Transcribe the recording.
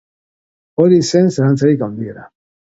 Hori zen zalantzarik handiena.